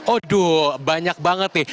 aduh banyak banget nih